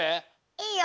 いいよ。